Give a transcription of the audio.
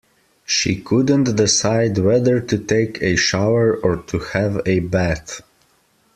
She couldn't decide whether to take a shower or to have a bath.